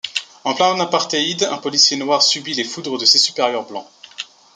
En plein apartheid, un policier noir subit les foudres de ses supérieurs blancs.